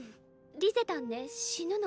リゼたんね死ぬの。